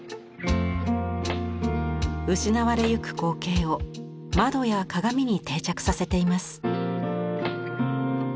失われゆく光景を窓や鏡に定着させています。